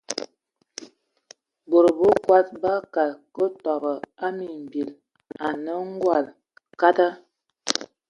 Bod bəkɔs bakad kə batɔbɔ a mimbil anə:ngɔl, kada.